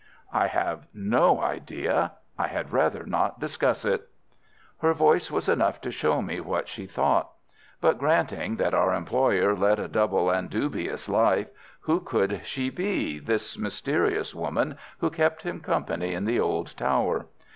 "I have no idea. I had rather not discuss it." Her voice was enough to show me what she thought. But granting that our employer led a double and dubious life, who could she be, this mysterious woman who kept him company in the old tower?